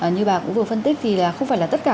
như bà cũng vừa phân tích thì không phải là tất cả